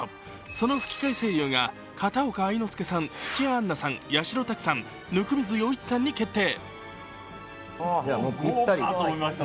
その吹き替え声優が、片岡愛之助さん、土屋アンナさん、八代拓さん、温水洋一さんに決定。